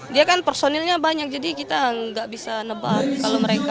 dia kan personilnya banyak jadi kita nggak bisa nebak kalau mereka